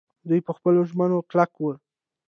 دوی په خپلو ژمنو کلک وو.